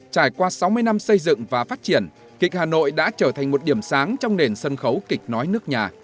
trải qua sáu mươi năm xây dựng và phát triển kịch hà nội đã trở thành một điểm sáng trong nền sân khấu kịch nói nước nhà